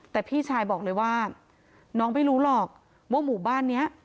แต่พี่ชายบอกเลยว่าน้องไม่รู้หรอกว่าหมู่บ้านนี้